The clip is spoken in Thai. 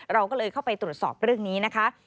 เราก็เลยเข้าไปตรวจสอบเรื่องนี้นะคะ